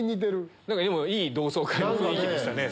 いい同窓会の雰囲気でしたね。